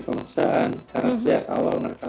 pemaksaan karena sejak awal mereka